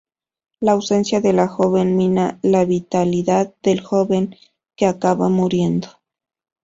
La ausencia de la joven mina la vitalidad del joven, que acaba muriendo.